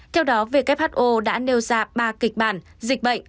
theo đó who đã nêu ra ba kịch bản dịch bệnh